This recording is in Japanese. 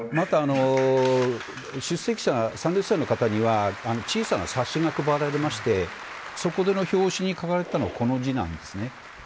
出席者、参列者の方には小さな冊子が配られましてそこでの表紙に書かれていたのはこの字なんですね。